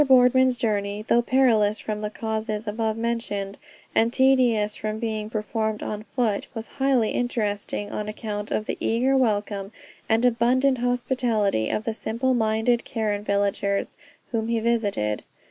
Boardman's journey, though perilous from the causes above mentioned, and tedious from being performed on foot, was highly interesting on account of the eager welcome, and abundant hospitality of the simple minded Karen villagers whom he visited.